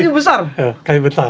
ini kayu besar